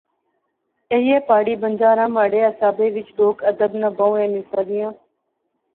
ایہہ پہاڑی بنجاراں مہاڑے حسابے وچ لوک ادب ناں بہوں اہم حصہ دیاں